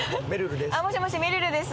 もしもしめるるです。